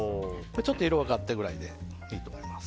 ちょっと色が変わったくらいでいいと思います。